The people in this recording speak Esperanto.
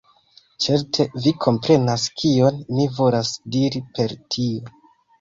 Certe vi komprenas kion mi volas diri per tio.